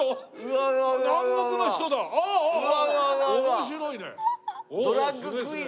面白いね。